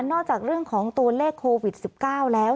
จากเรื่องของตัวเลขโควิด๑๙แล้ว